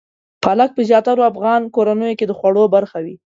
پالک په زیاترو افغان کورنیو کې د خوړو برخه وي.